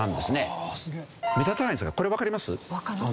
目立たないんですがこれわかります？